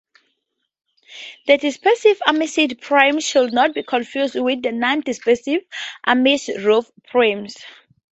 The dispersive Amici prism should not be confused with the non-dispersive Amici roof prism.